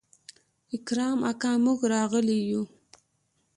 اکرم اکا موږ راغلي يو.